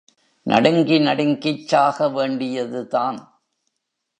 நடுங்கி நடுங்கிச் சாகவேண்டியதுதான்.